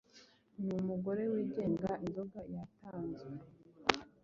Numugore wigenga inzoga yatanzwe